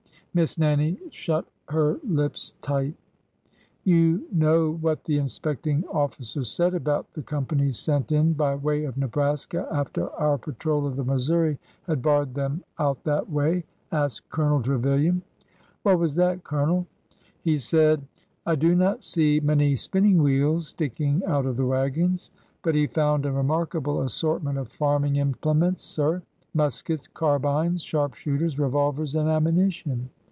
Miss Nannie shut her lips tight! xo8 ORDER NO. 11 You know what the inspecting officer said about the companies sent in by way of Nebraska after our patroi of the Missouri had barred them out that way ?'' asked Colonel Trevilian. What was that, Colonel ? He said, ^ I do not see many spinning wheels sticking out of the wagons/ But he found a remarkable assort ment of farming implements, sir,— muskets, carbines, sharp shooters, revolvers, and ammunition.